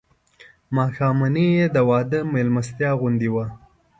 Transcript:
ماښامنۍ یې د واده مېلمستیا غوندې وه.